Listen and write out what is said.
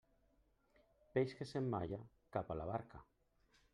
Peix que s'emmalla, cap a la barca.